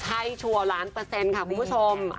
ให้ชัวร์ล้านเปอร์เซ็นต์ค่ะคุณผู้ชม